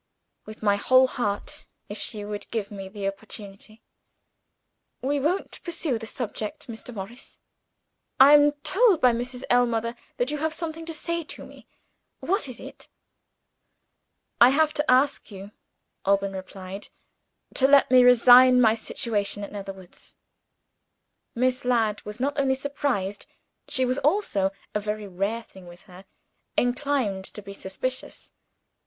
"With my whole heart if she would give me the opportunity!" "We won't pursue the subject, Mr. Morris. I am told by Mrs. Ellmother that you have something to say to me. What is it?" "I have to ask you," Alban replied, "to let me resign my situation at Netherwoods." Miss Ladd was not only surprised; she was also a very rare thing with her inclined to be suspicious.